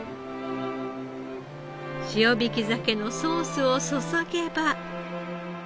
塩引き鮭のソースを注げば。